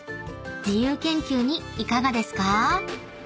［自由研究にいかがですか？］